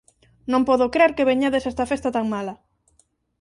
Non podo crer que veñades a esta festa tan mala.